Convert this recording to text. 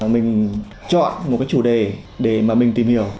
mình chọn một cái chủ đề để mà mình tìm hiểu